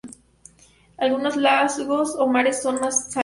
Algunos lagos o mares son más salinos.